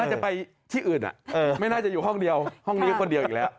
จะไปที่อื่นไม่น่าจะอยู่ห้องเดียวห้องนี้ก็คนเดียวอีกแล้ว